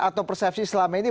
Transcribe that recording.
atau persepsi selama ini